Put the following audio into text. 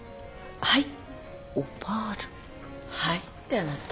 「はい？」ってあなた。